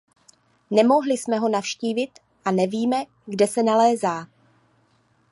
Nemohli jsme ho navštívit a nevíme, kde se nalézá.